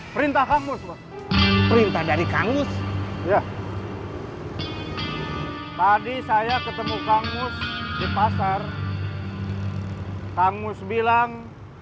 perintah kamu semua perintah dari kamus ya tadi saya ketemu kangus di pasar kangus bilang